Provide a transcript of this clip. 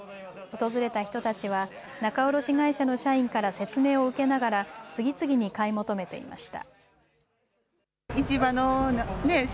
訪れた人たちは仲卸会社の社員から説明を受けながら次々に買い求めていました。